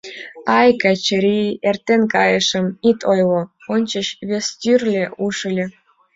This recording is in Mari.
Ай, Кычий, эртен кайышым ит ойло: ончыч вестӱрлӧ уш ыле...